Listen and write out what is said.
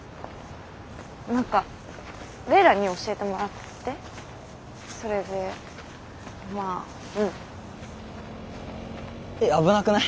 何かれいらに教えてもらってそれでまあうん。え危なくない？